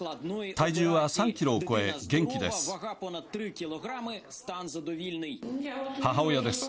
体重は３キロを超え元気です。